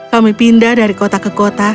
kami pindah dari kota ke kota